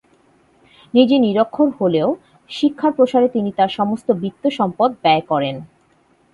নিজে নিরক্ষর হলেও শিক্ষার প্রসারে তিনি তার সমস্ত বিত্ত-সম্পদ ব্যয় করেন।